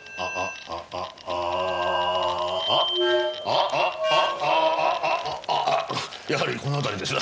「あああ」やはりこの辺りです。